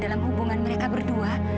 dalam hubungan mereka berdua